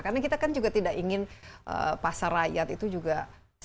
karena kita kan juga tidak ingin pasar rakyat itu juga sepi pembelajaran